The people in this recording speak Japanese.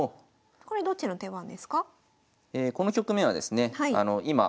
これどっちの手番ですか？